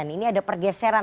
ini ada pergeseran